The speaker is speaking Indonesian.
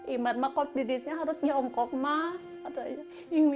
imar mah kok didisnya harus nyongkok ma